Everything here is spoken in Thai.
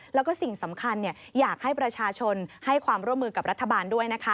แล้วก็สิ่งสำคัญอยากให้ประชาชนให้ความร่วมมือกับรัฐบาลด้วยนะคะ